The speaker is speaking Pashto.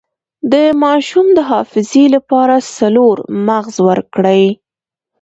د ماشوم د حافظې لپاره څلور مغز ورکړئ